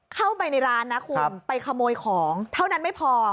เข้าไปในร้านนะคุณไปขโมยของเท่านั้นไม่พอ